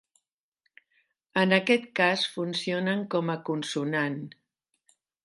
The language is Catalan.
En aquest cas funcionen com a consonant.